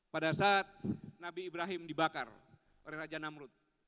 pada saat nabi ibrahim dibakar oleh raja namrud